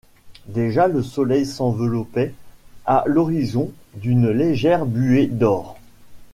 Déjà le soleil s’enveloppait à l’horizon d’une légère buée d’or.